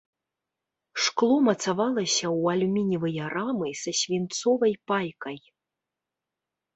Шкло мацавалася ў алюмініевыя рамы са свінцовай пайкай.